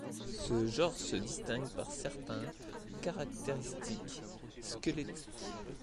Ce genre se distingue par certains caractéristiques squelettiques.